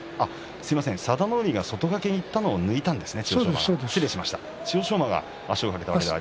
佐田の海が外掛けにいったのを抜いたんですね